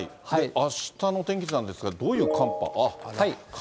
あしたの天気図なんですが、どういう寒波。